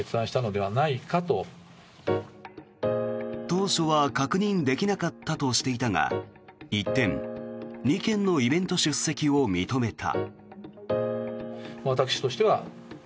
当初は確認できなかったとしていたが一転、２件のイベント出席を認めた。